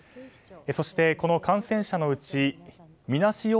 そして、この感染者のうちみなし